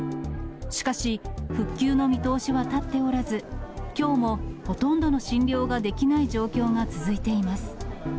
しかし、復旧の見通しは立っておらず、きょうもほとんどの診療ができない状況が続いています。